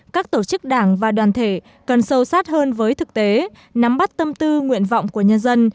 các tổ chức đảng và đoàn thể cần sâu sát hơn với thực tế nắm bắt tâm tư nguyện vọng của nhân dân